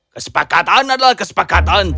kesepakatan adalah kesepakatan